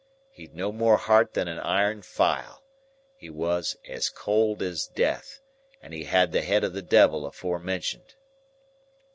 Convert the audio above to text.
He'd no more heart than a iron file, he was as cold as death, and he had the head of the Devil afore mentioned.